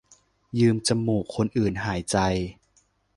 ยืมจมูกคนอื่นหายใจ